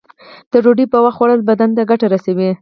د ډوډۍ په وخت خوړل بدن ته ګټه رسوی.